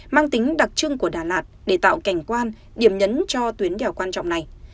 mang tính đặc trưng của đà lạt để tạo cảnh quan điểm nhấn cho tuyến đèo quan trọng này